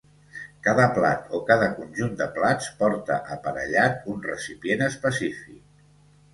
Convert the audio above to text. Cada plat, o cada conjunt de plats, porta aparellat un recipient específic.